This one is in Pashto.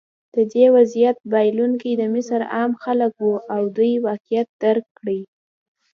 د دې وضعیت بایلونکي د مصر عام خلک وو او دوی واقعیت درک کړی.